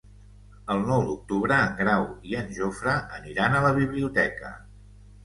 El nou d'octubre en Grau i en Jofre aniran a la biblioteca.